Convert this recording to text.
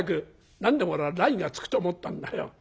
何でも俺は『らい』がつくと思ったんだよ。